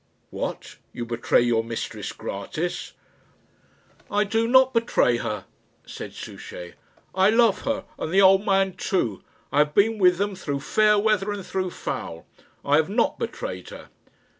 "What! you betray your mistress gratis?" "I do not betray her," said Souchey. "I love her and the old man too. I have been with them through fair weather and through foul. I have not betrayed her."